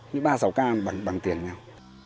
như ba sao cam bằng tiền nhau